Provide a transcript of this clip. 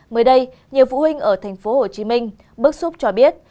mới đây nhiều phụ huynh ở tp hcm bức xúc cho biết